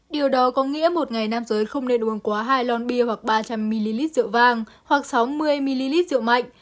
điều đó có nghĩa một ngày nam giới không nên uống quá hai lon bia hoặc ba trăm linh ml rượu vàng hoặc sáu mươi ml rượu mạnh